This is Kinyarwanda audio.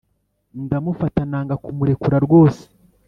ndamufata nanga kumurekura rwose